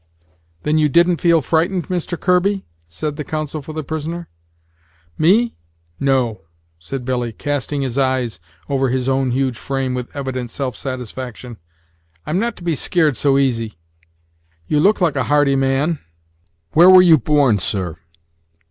"Then you didn't feel frightened, Mr. Kirby?" said the counsel for the prisoner. "Me! no," said Billy, casting his eyes oven his own huge frame with evident self satisfaction; "I'm not to be skeared so easy." "You look like a hardy man; where were you born, sir?"